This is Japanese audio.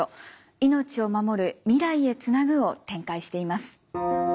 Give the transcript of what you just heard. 「命をまもる未来へつなぐ」を展開しています。